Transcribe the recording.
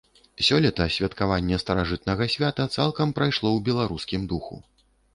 Сёлета святкаванне старажытнага свята цалкам прайшло ў беларускім духу.